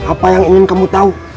ada apa yang ingin kamu tau